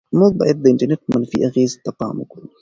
موږ باید د انټرنيټ منفي اغېزو ته پام وکړو.